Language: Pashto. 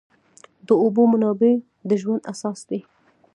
د اوبو منابع د ژوند اساس دي.